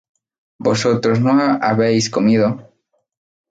Vosotros no habíais comido